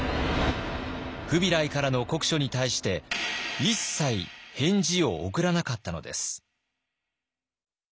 フビライからの国書に対して一切返事を送らなかったのです。